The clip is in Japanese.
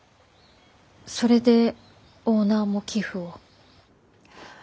それでオーナーも寄付を。